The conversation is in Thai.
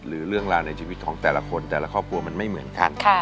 หรือเรื่องราวในชีวิตของแต่ละคนแต่ละครอบครัวมันไม่เหมือนกัน